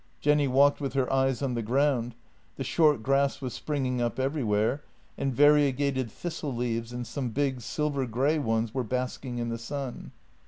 Jenny walked with her eyes on the ground; the short grass was spring ing up everywhere, and variegated thistle leaves and some big, silver grey ones were basking in the sun.